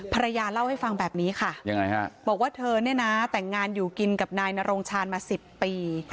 ภรรยาเล่าให้ฟังแบบนี้ค่ะยังไงฮะบอกว่าเธอเนี่ยนะแต่งงานอยู่กินกับนายนโรงชาญมา๑๐ปี